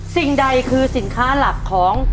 สิ่งใดคือสินค้าหลักของ